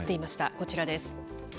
こちらです。